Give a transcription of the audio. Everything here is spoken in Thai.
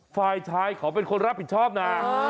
ฝ่ายชายเขาเป็นคนรับผิดชอบนะ